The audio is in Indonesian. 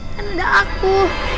kan ada aku